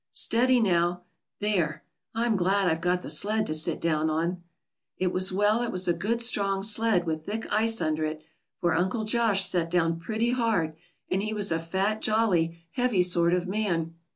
Steady, now. There! I'm glad I've got the sled to sit down on." It was well it was a good strong sled, with thick ice under it, for Uncle Josh sat down pretty hard, and he was a fat, jolly, heavy sort of man.